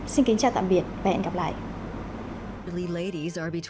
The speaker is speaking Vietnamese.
xin kính chào tạm biệt và hẹn gặp lại